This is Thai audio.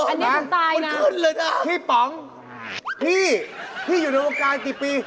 อันนี้ผมตายนะพี่ป๋องพี่พี่อยู่ในโรงการกี่ปี